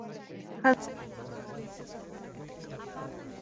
Hansel, en voz baja, le dice a su hermana que tenga cuidado.